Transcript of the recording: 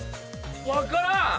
分からん！